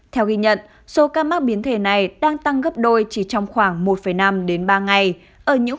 theo ghi nhận số ca mắc biến thể này đang tăng gấp đôi chỉ trong khoảng một năm đến ba ngày ở những